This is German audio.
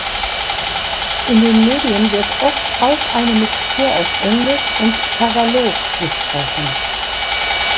In den Medien wird oft auch eine Mixtur aus Englisch und Tagalog gesprochen.